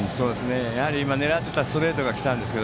狙っていたストレートが来たんですが